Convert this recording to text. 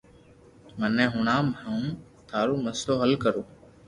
مني ھڻاو ھن ٿارو مسلو حل ڪرو